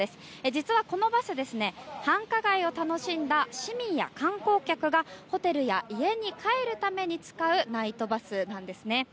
実はこのバス繁華街を楽しんだ市民や観光客がホテルや家に帰るために使うナイトバスです。